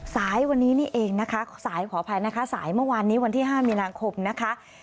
สายวันนี้นี่เองนะคะสายขออภัยนะคะสายเมื่อวานนี้วันที่๕มีนาคมนะคะ